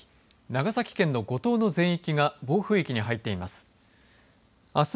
長崎県の五島の全域が暴風域に入っています。